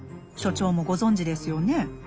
所長もご存じですよね？